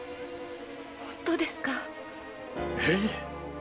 本当ですか⁉ええ。